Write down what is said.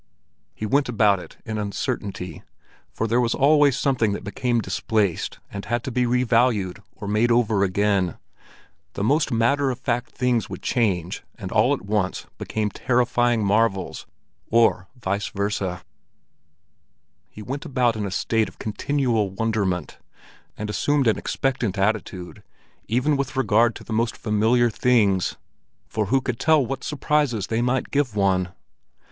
He went about in it uncertainly, for there was always something that became displaced and had to be revalued or made over again; the most matter of fact things would change and all at once become terrifying marvels, or vice versa. He went about in a state of continual wonderment, and assumed an expectant attitude even with regard to the most familiar things; for who could tell what surprises they might give one?